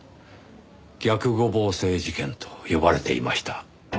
逆五芒星事件と呼ばれていました。